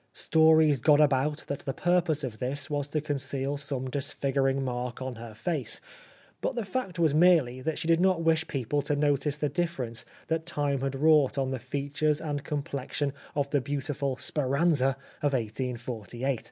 Stories 70 The Life of Oscar Wilde got about that the purpose of this was to conceal some disfiguring mark on her face ; but the fact was merely that she did not wish people to notice the difference that Time had wrought on the features and complexion of the beautiful " Speranza " of 1848.